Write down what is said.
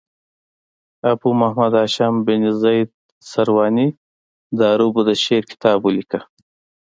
ابو محمد هاشم بن زید سرواني د عربو د شعر کتاب ولیکه.